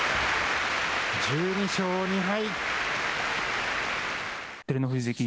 １２勝２敗。